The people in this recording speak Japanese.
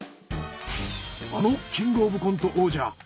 あのキングオブコント王者